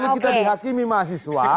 lalu kita dihakimi mahasiswa